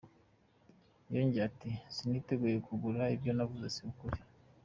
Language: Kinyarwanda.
Yongeye ati “Siniteguye kwegura, ibyo navuze si ukuri.